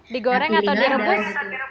digoreng atau direbus